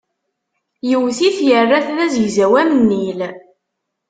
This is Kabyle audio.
Yewwet-it, yerra-t d azegzaw am nnil.